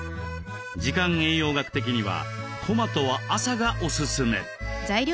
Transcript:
時間栄養学的にはトマトは朝がオススメ。